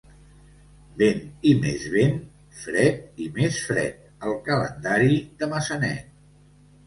Vent i més vent, fred i més fred, el calendari de Maçanet.